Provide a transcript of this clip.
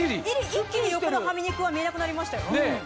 一気に横のハミ肉は見えなくなりましたよ。